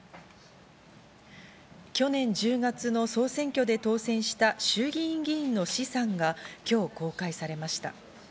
去年１０月の総選挙で当選した衆議院議員の資産が今日、公開されました。